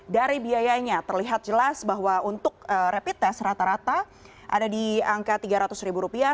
dari biayanya terlihat jelas bahwa untuk rapid test rata rata ada di angka tiga ratus ribu rupiah